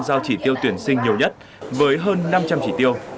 giao chỉ tiêu tuyển sinh nhiều nhất với hơn năm trăm linh chỉ tiêu